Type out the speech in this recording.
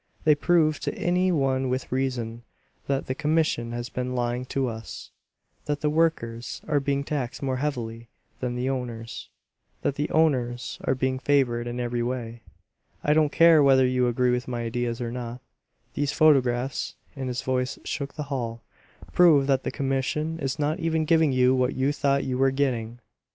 They prove to any one with reason that the commission has been lying to us; that the workers are being taxed more heavily than the owners; that the owners are being favored in every way. I don't care whether you agree with my ideas or not; these photographs" his voice shook the hall "prove that the commission is not even giving you what you thought you were getting!"